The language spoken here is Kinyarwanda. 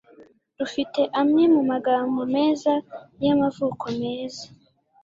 dufite amwe mumagambo meza y'amavuko meza